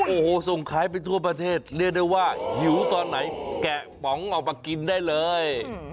โอ้โหส่งขายไปทั่วประเทศเรียกได้ว่าหิวตอนไหนแกะป๋องออกมากินได้เลย